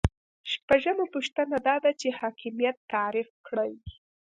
شپږمه پوښتنه دا ده چې حاکمیت تعریف کړئ.